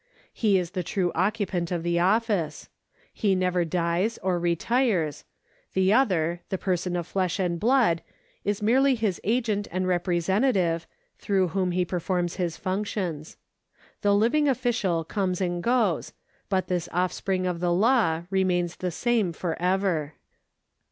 He is the true occupant of the office ; he never dies or retires ; the other, the person of flesh and blood, is merely his agent and representative, through whom he per forms his functions. The living official comes and goes, but this offspring of the law remains the same for ever.